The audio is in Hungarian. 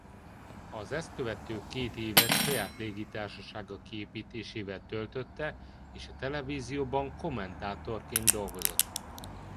Az ezt követő két évet saját légitársasága kiépítésével töltötte és a televízióban kommentátorként dolgozott.